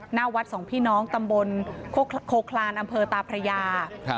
หน้าวัดสองพี่น้องตำบลโคคลานอำเภอตาพระยา